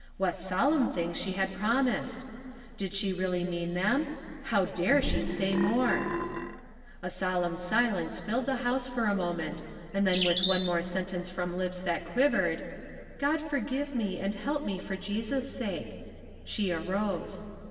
What solemn things she had promised I Did she really mean them ? How dare she say more ? A solemn silence filled the house for a mo ment, and then with one more sentence from A Puzzling Discussion, 277 lips that quivered, " God forgive me Jiud help me for Jesus' sake," she arose.